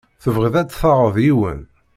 Tebɣiḍ ad taɣeḍ yiwen?